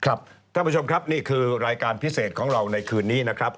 ท่านผู้ชมครับนี่คือรายการพิเศษของเราในคืนนี้นะครับ